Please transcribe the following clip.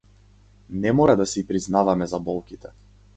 Не мора да си признаваме за болките.